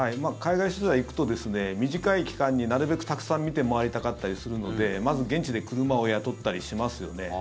海外取材行くと短い期間に、なるべくたくさん見て回りたかったりするのでまず、現地で車を雇ったりしますよね。